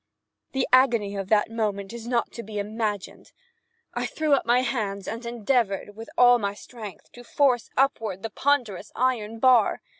The agony of that moment is not to be imagined. I threw up my hands and endeavored, with all my strength, to force upward the ponderous iron bar.